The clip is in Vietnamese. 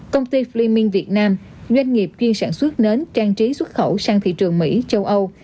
công ty fleming việt nam doanh nghiệp chuyên sản xuất nến trang trí xuất khẩu sang thị trường mỹ châu âu